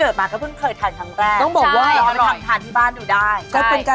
เรียกว่าทำง่ายอร่อยมากเลยค่ะ